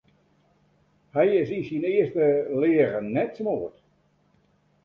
Hy is yn syn earste leagen net smoard.